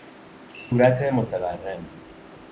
صورت متورم